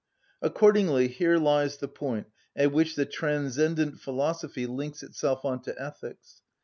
Accordingly here lies the point at which the transcendent philosophy links itself on to ethics.